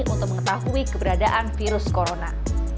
untuk mengetahui apa yang terjadi